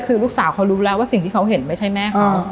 คือลูกสาวเขารู้แล้วว่าสิ่งที่เขาเห็นไม่ใช่แม่เขา